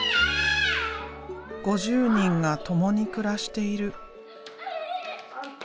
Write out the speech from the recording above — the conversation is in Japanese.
５０人が共に暮らしている。